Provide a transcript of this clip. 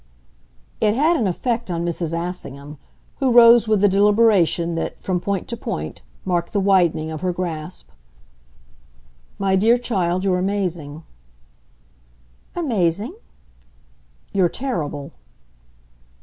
It had an effect on Mrs. Assingham, who rose with the deliberation that, from point to point, marked the widening of her grasp. "My dear child, you're amazing." "Amazing ?" "You're terrible."